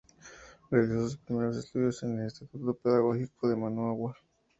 Realizó sus primeros estudios en Instituto Pedagógico de Managua.